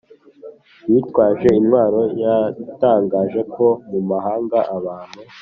bitwaje intwaro. yatangaje ko mu mahanga abantu